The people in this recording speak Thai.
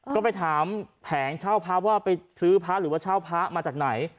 ก็ไปถามแผงเช่าพระว่าไปซื้อพระหรือว่าเช่าพระมาจากไหน